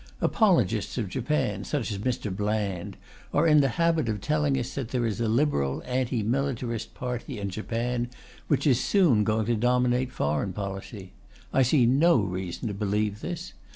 Apologists of Japan, such as Mr. Bland, are in the habit of telling us that there is a Liberal anti militarist party in Japan, which is soon going to dominate foreign policy. I see no reason to believe this.